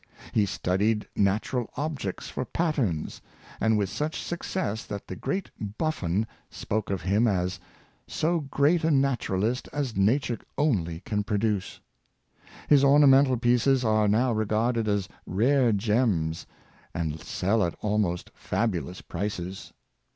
He studied natural objects for patterns, and with such success that the great Butfon spoke of him as " so great a naturalist as Na ture only can produce." His ornamental pieces are now regarded as rare gems, and sell at almost fabulous prices.